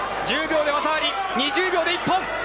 １０秒で技あり２０秒で一本。